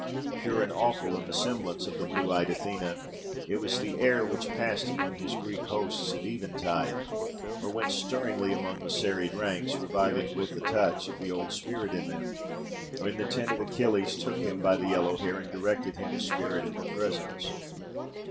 Pure and awful, in the semblance of the blue eyed Athena, it was the air which passed among his Greek hosts at eventide, or went stirringly among the serried ranks, reviving with a touch the old spirit in them; or in the tent of Achilles took him by the yellow hair, and directed him, a spirit and a presence.